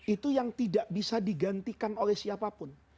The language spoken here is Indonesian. itu yang tidak bisa digantikan oleh siapapun